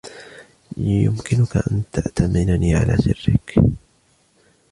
يمكنك أن تأتمنني على سرك